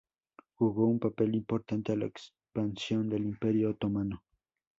Jugó un papel importante a la expansión del Imperio Otomano.